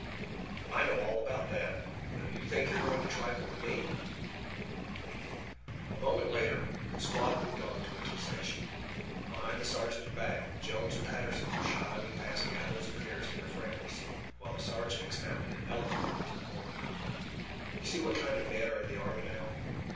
I know all about that. But if you think you are going to trifle with me " A moment later the squad moved on towards its station. Behind the sergeant's back Jones and Patterson were slyly passing apples and pears to their friends while the sergeant expounded eloquently to the corporal. "You see what kind of men are in the army now.